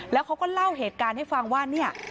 แล้วเขาก็เล่าเหตุการณ์ให้ฟังว่าเนี่ย